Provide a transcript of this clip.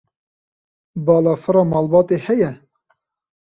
Balafira malbatê heye?